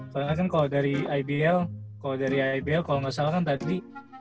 karena kan kalau dari ibl kalau dari ibl kalau gak salah kan tadi